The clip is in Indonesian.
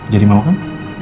jadi mau kan